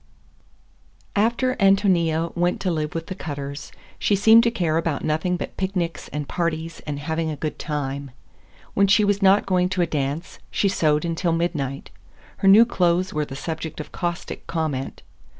XII AFTER Ántonia went to live with the Cutters, she seemed to care about nothing but picnics and parties and having a good time. When she was not going to a dance, she sewed until midnight. Her new clothes were the subject of caustic comment.